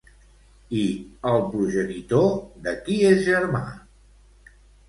I el progenitor, de qui és germà?